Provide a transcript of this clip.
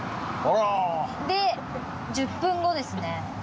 で１０分後ですね。